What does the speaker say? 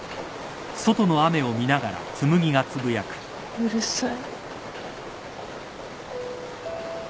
うるさい。